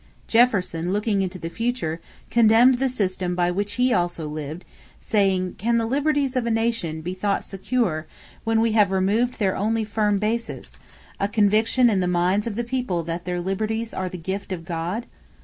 Jefferson, looking into the future, condemned the system by which he also lived, saying: "Can the liberties of a nation be thought secure when we have removed their only firm basis, a conviction in the minds of the people that their liberties are the gift of God?